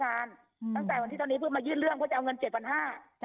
ตั้งแต่วันที่ตอนนี้เพิ่งมายื่นเรื่องเขาจะเอาเงิน๗๕๐๐บาท